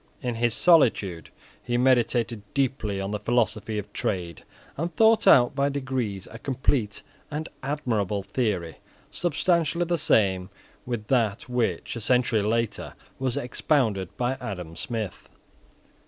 In his solitude he meditated deeply on the philosophy of trade, and thought out by degrees a complete and admirable theory, substantially the same with that which, a century later, was expounded by Adam Smith.